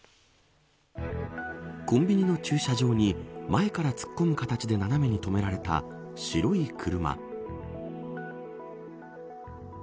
コンビニの駐車場に前から突っ込む形で斜めに止められた白い車。